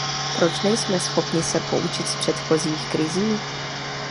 Proč nejsme schopni se poučit z předchozích krizí?